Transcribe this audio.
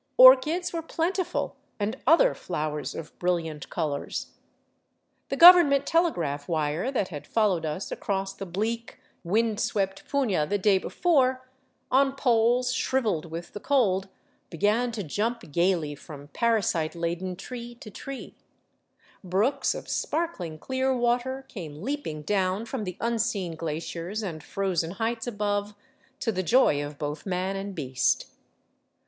Orchids were plentiful, and other flowers of brilliant colors. The government telegraph wire that had followed us across the bleak, wind swept puna the day before, on poles shriveled with the cold, began to jump gaily from parasite 461 VAGABONDING DOWN THE ANDES laden tree to tree. Brooks of sparkling clear water came leaping down from the unseen glaciers and frozen heights above, to the joy of both man and beast.